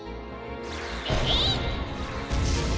えい！